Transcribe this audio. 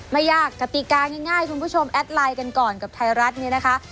ไม่ยากกติกาง่ายคุณผู้ชมแอดไลน์กันก่อนกับไทยรัฐเนี่ยนะคะ